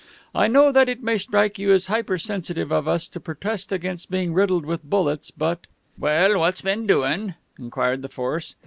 I know that it may strike you as hypersensitive of us to protest against being riddled with bullets, but " "Well, what's been doin'?" inquired the Force.